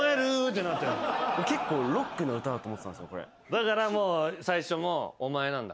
だから最初も「お前」なんだ。